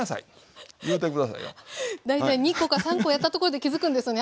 大体２コか３コやったところで気付くんですよね